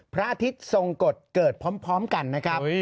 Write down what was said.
พระอาทิตย์ทรงกฎเกิดพร้อมกันนะครับ